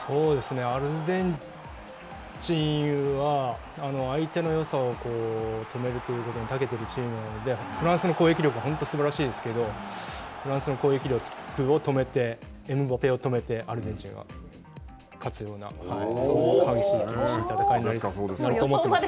アルゼンチンは相手のよさを止めるということにたけているチームなので、フランスの攻撃力もすごいですけどフランスの攻撃力を止めて、エムバペを止めてアルゼンチンは勝つような、そんな厳しい戦いになると思っています。